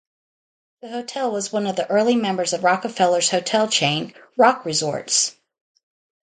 The hotel was one of the early members of Rockefeller's hotel chain, Rockresorts.